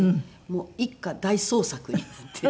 もう一家大捜索になって。